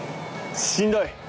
しんどい。